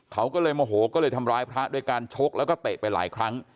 เขาก็เลยโมโหก็เลยทำร้ายพระด้วยการชกแล้วก็เตะไปหลายครั้ง